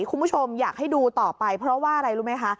คุณผู้ชมอยากให้ดูต่อไปเพราะว่าอะไรรู้ไหมคะ